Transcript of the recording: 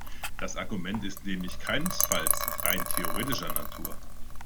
Das Argument ist nämlich keinesfalls rein theoretischer Natur.